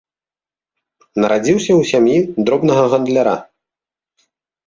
Нарадзіўся ў сям'і дробнага гандляра.